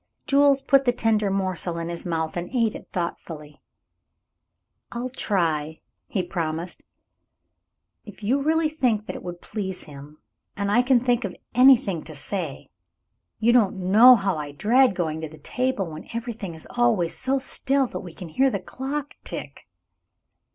Jules put the tender morsel in his mouth and ate it thoughtfully. "I'll try," he promised, "if you really think that it would please him, and I can think of anything to say. You don't know how I dread going to the table when everything is always so still that we can hear the clock tick."